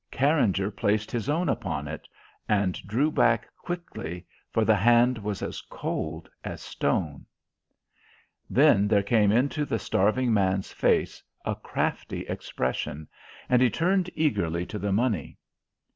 Carringer placed his own upon it, and drew back quickly, for the hand was as cold as stone! Then there came into the starving man's face a crafty expression, and he turned eagerly to the money.